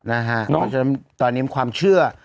อ้าวนะฮะตอนนี้ความเชื่อ